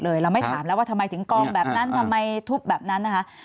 เราไม่ถามแล้วว่าทำไมถึงกองแบบนั้นทำไมทุบแบบนั้นนะคะ